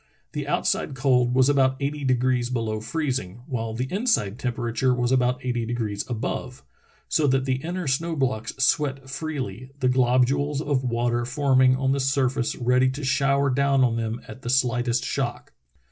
The outside cold was about eighty degrees below freezing, while the inside temperature was about eighty degrees above, so that the inner snow blocks sweat freely, the glob ules of water forming on the surface ready to shower down on them at the slightest shock.